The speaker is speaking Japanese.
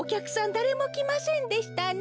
だれもきませんでしたね。